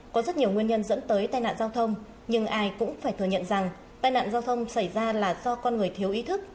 có rất nhiều nguyên nhân dẫn tới tai nạn giao thông nhưng ai cũng phải thừa nhận rằng tai nạn giao thông xảy ra là do con người thiếu ý thức